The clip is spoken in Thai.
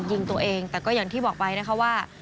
ยิงตัวเองแต่ก็อย่างที่บอกไปนะคะว่า